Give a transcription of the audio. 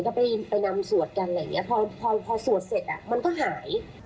ก็ไปนำสวดกันอะไรอย่างเงี้พอพอสวดเสร็จอ่ะมันก็หาย